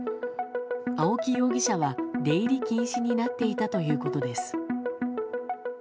青木容疑者は出入り禁止になっていたということです。